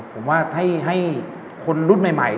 ผมว่าให้คนรุ่นใหม่